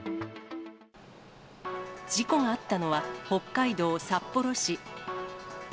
事故があったのは、北海道札幌市。